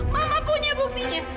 mama punya buktinya